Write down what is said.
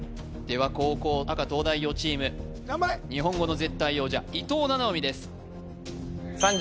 では後攻赤東大王チーム日本語の絶対王者伊藤七海です